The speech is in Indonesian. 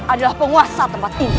adalah penguasa tempat ini